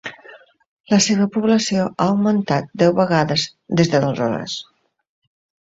La seva població ha augmentat deu vegades des d'aleshores.